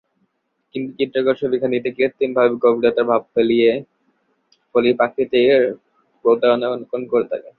কিন্তু চিত্রকর ছবিখানিতে কৃত্রিমভাবে গভীরতার ভাব ফলিয়ে প্রকৃতির প্রতারণা অনুকরণ করে থাকে।